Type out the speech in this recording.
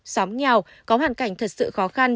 xóm nghèo có hoàn cảnh thật sự khó khăn